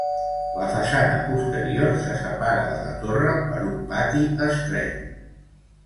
La façana posterior se separa de la torre per un pati estret.